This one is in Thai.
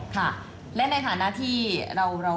ค่ะและในฐานะที่เรา